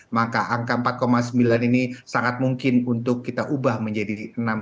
maka angka empat sembilan ini sangat mungkin untuk kita ubah menjadi enam